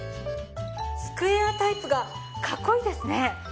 スクエアタイプがかっこいいですね。